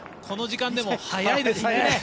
この時間でも速いですね。